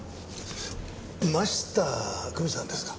真下久美さんですか？